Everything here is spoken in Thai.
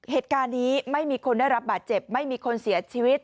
เหตุการณ์นี้ไม่มีคนได้รับบาดเจ็บไม่มีคนเสียชีวิต